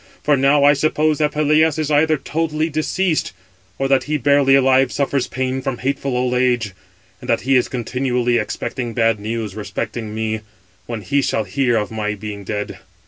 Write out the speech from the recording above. For now I suppose that Peleus is either totally deceased, or that he, barely alive, suffers pain from hateful old age, and that he is continually expecting bad news respecting me, when he shall hear of my being dead."